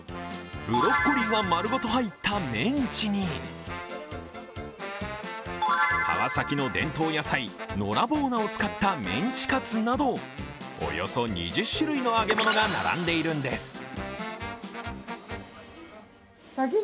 ブロッコリーが丸ごと入ったメンチに川崎の伝統野菜、のらぼう菜を使ったメンチカツなどおよそ２０種類の揚げ物が並んでいるんです。